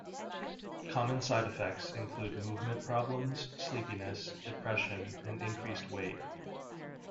Common side effects include movement problems, sleepiness, depression and increased weight.